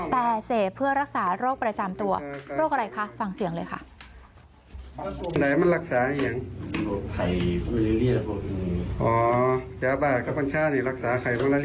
แต่เสพเพื่อรักษาโรคประจำตัวโรคอะไรคะฟังเสียงเลยค่ะ